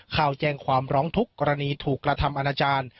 เข้าแจ้งความร้องทุกข์กรณีถูกกระทำอาณาจารย์